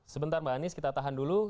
sebentar mbak anies kita tahan dulu